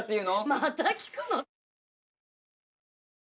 また聞くの？